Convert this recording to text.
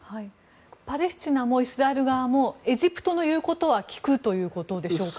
パレスチナもイスラエル側もエジプトの言うことは聞くということでしょうか？